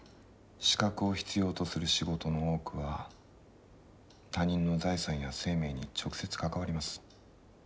資格を必要とする仕事の多くは他人の財産や生命に直接関わります。